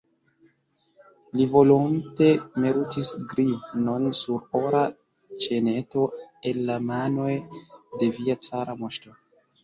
Li volonte meritus grivnon sur ora ĉeneto el la manoj de via cara moŝto.